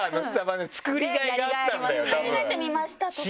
「初めて見ました」とか。